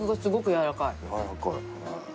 やわらかい？へえ。